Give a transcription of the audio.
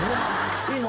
いいの？